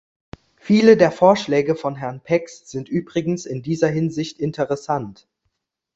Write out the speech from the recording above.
Viele der Vorschläge von Herrn Pex sind übrigens in dieser Hinsicht interessant.